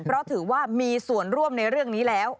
เพราะถือว่ามีส่วนร่วมในเรื่องนี้แล้ว